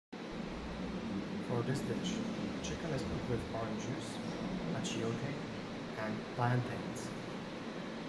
For this dish, chicken is cooked with orange juice, achiote and plantains.